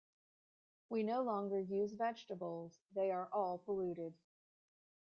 We no longer use vegetables, they are all polluted.